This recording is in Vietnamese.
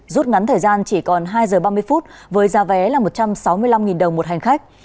rút ngắn thời gian chỉ còn hai giờ ba mươi phút với giá vé là một trăm sáu mươi năm đồng một hành khách